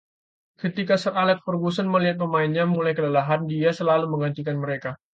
Ketika Sir Alex Ferguson melihat pemainnya mulai kelelahan, dia selalu mengganti mereka.